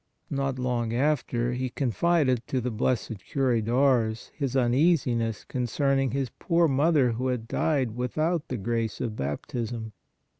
Not long after he confided to the Blessed Cure d Ars his uneasiness concerning his poor mother who had died without the grace of baptism.